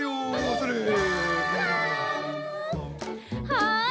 はい！